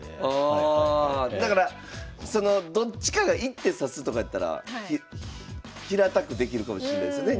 だからどっちかが１手指すとかやったら平たくできるかもしれないですね